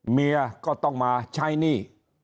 เมียก็ต้องมาใช้หนี้